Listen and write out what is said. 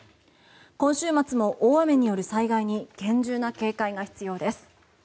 今週末も大雨による災害に厳重な警戒が必要です。